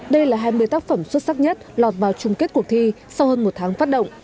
đây là hai mươi tác phẩm xuất sắc nhất lọt vào chung kết cuộc thi sau hơn một tháng phát động